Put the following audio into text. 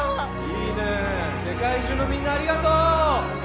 いいねー世界中のみんなありがとう！